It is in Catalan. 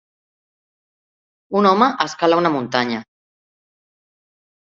Un home escala una muntanya.